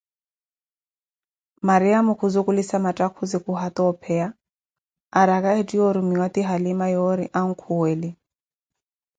Mariamo khu zukhulissa mathakhuzi khu yata opeya arakah ettiye orrumiwa ti halima yori ankhuwele